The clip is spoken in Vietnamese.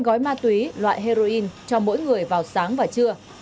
hai gói ma túy loại heroin cho mỗi người vào sáng và trưa